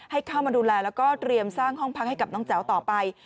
ให้เข้ามาดูแลแล้วก็เตรียมสร้างห้องพักให้กับน้องแจ๋วต่อไป